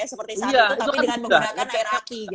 seperti saat itu tapi dengan menggunakan air aki